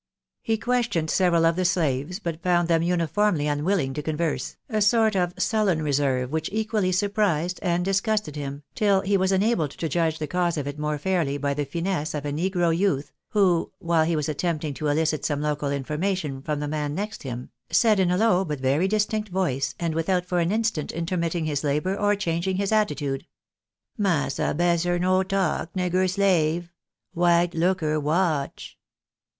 He questioned several of the slaves, but found them uniformly unwilling to converse ; a sort of sullen re serve which equally surprised and disgusted him, till he was enabled to judge the cause of it more fairly by the finesse of a negro youth, who, while he was attempting to eUcit some local information from the man next him, said in a low but very distinct voice, and without for an instant intermitting his labour or changing his attitude —" Massa besser no talk nigger slave. White looker watch."